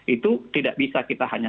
itu tidak bisa kita hanya